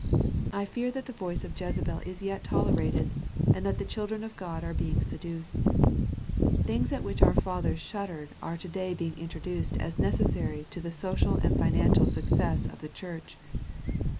I fear that the voice of Jezebel is yet tolerated, and that the children of God are being seduced. Things at which our fathers shuddered are to day being introduced as nec essary to the social and financial success of the Church.